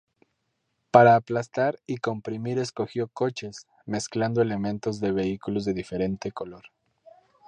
Para aplastar y comprimir escogió coches, mezclando elementos de vehículos de diferente color.